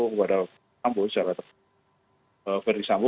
kepada verdi sampo